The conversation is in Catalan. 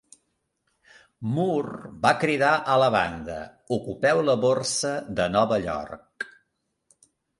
Moore va cridar a la banda: "Ocupeu la Borsa de Nova York!".